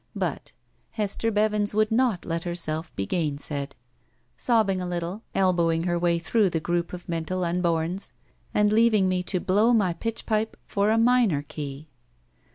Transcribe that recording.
But Hester Bevins would not let herself be gain said, sobbing a little, elbowing her way through the 6 59 BACK PAY ^oup of mental unboms, and leaving me to blow my pitch pipe for a minor key.